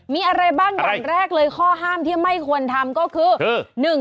มีอะไรบ้างอย่างแรกเลยข้อห้ามที่ไม่ควรทำก็คือ